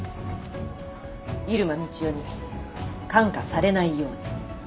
入間みちおに感化されないように。